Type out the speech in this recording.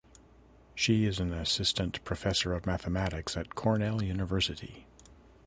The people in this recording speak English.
She is an assistant professor of mathematics at Cornell University.